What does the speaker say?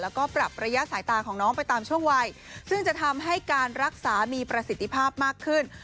แล้วก็ปรับระยะสายตาของน้องไปตามช่วงวัยซึ่งจะทำให้การรักษามีประสิทธิภาพมากขึ้น